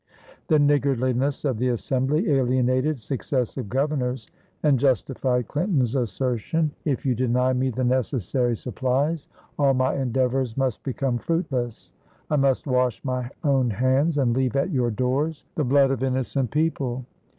The niggardliness of the Assembly alienated successive governors and justified Clinton's assertion: "If you deny me the necessary supplies all my endeavors must become fruitless. I must wash my own hands and leave at your doors the blood of innocent people."